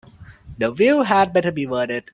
The view had better be worth it.